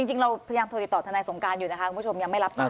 จริงเราพยายามโทรติดต่อทนายสงการอยู่นะคะคุณผู้ชมยังไม่รับทราบ